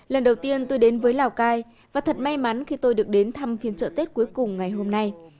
lần đầu tiên tôi đến với lào cai và thật may mắn khi tôi được đến thăm phiên chợ tết cuối cùng ngày hôm nay